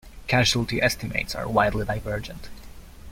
Casualty estimates are widely divergent.